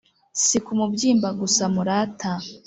si ku mubyimba gusa murata